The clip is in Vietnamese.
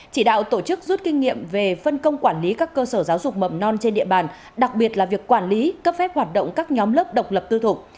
chỉ đạo tổ chức rút kinh nghiệm về phân công quản lý các cơ sở giáo dục mầm non trên địa bàn đặc biệt là việc quản lý cấp phép hoạt động các nhóm lớp độc lập tư thục